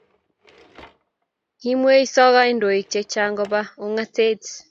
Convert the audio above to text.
kimweiso kandoik chechang koba ungatet